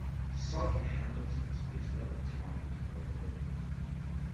South Hamilton is not a town or neighborhood.